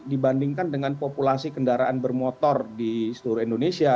dibandingkan dengan populasi kendaraan bermotor di seluruh indonesia